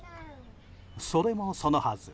それもそのはず。